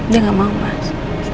dia gak mau mas